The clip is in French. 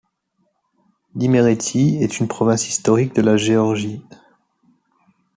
L'Iméréthie est une province historique de la Géorgie.